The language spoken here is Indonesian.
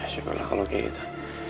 ya syukurlah kamu kayak gitu